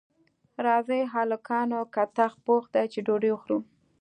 راځئ هلکانو کتغ پوخ دی چې ډوډۍ وخورو